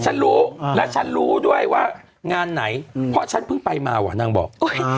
ฉันรู้และฉันรู้ด้วยว่างานไหนเพราะฉันเพิ่งไปมาว่ะนางบอก